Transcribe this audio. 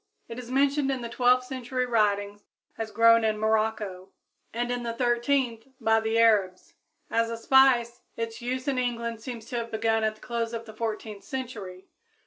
It is mentioned in the twelfth century writings as grown in Morocco, and in the thirteenth by the Arabs. As a spice, its use in England seems to have begun at the close of the fourteenth century.